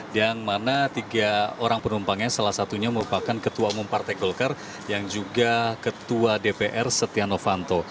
yang mana tiga orang penumpangnya salah satunya merupakan ketua umum partai golkar yang juga ketua dpr setia novanto